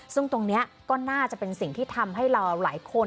ซึ่งตรงนี้ก็น่าจะเป็นสิ่งที่ทำให้เราหลายคน